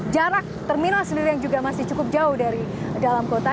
jarak terminal sendiri yang juga masih cukup jauh dari dalam kota